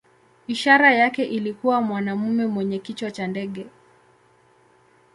Ishara yake ilikuwa mwanamume mwenye kichwa cha ndege.